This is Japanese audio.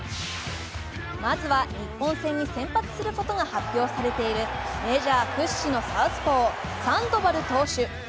まずは日本戦に先発することが発表されているメジャー屈指のサウスポーサンドバル投手。